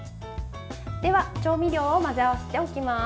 では、調味料を混ぜ合わせておきます。